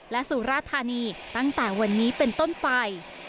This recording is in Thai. และสุราธานีตั้งแต่วันนี้เป็นต้นไป